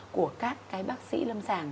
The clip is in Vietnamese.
của các cái bác sĩ lâm sàng